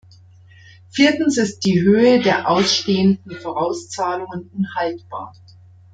Viertens ist die Höhe der ausstehenden Vorauszahlungen unhaltbar.